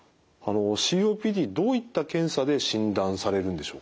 ＣＯＰＤどういった検査で診断されるんでしょうか？